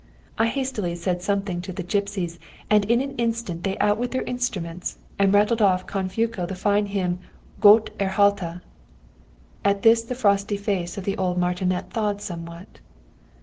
I hastily said something to the gipsies, and in an instant they out with their instruments and rattled off con fuoco the fine hymn 'Gott erhalte!' At this the frosty face of the old martinet thawed somewhat.